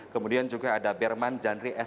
kemudian juga ada berman janri s